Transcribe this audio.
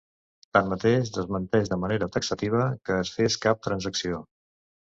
Tanmateix, desmenteix de manera taxativa que es fes cap transacció.